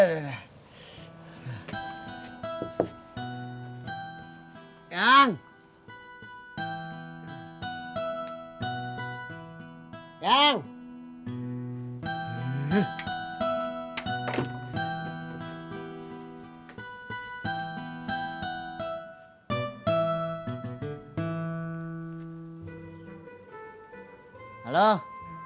lo dimana sih